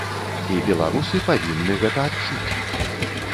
І беларусы павінны гэта адчуць.